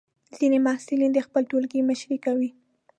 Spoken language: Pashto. ځینې محصلین د خپل ټولګي مشري کوي.